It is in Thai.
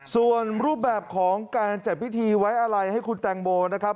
ส่วนรูปแบบของการจัดพิธีไว้อะไรให้คุณแตงโมนะครับ